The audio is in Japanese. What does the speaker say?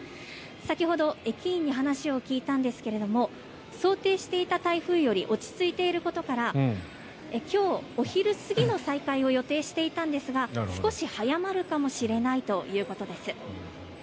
先ほど駅員に話を聞いたんですが想定していた台風より落ち着いていることから今日お昼過ぎの再開を予定していたんですが少し早まるかもしれないということです。